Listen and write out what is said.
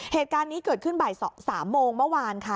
เหตุการณ์นี้เกิดขึ้นบ่าย๓โมงเมื่อวานค่ะ